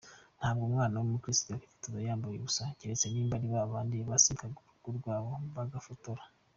Ntabwo umwana wumukristu yakwiphotoza yambayu ubusa keretse niba aribabandi basimbukaga urugo rwabo bagaphotora